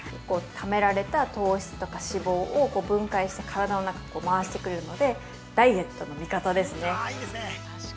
ためられた糖質とか脂肪を分解して、体の中に回してくれるので、ダイエットの味方ですね。